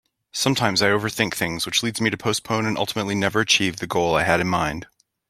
Sometimes I overthink things which leads me to postpone and ultimately never achieve the goal I had in mind.